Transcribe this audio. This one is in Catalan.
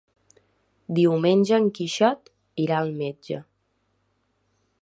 Diumenge en Quixot irà al metge.